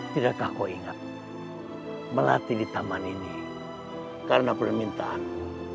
tidakkah kau ingat melati di taman ini karena permintaanmu